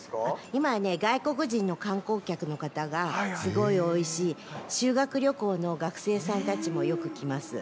今はね、外国人の観光客の方がすごい多いし、修学旅行の学生さんたちもよく来ます。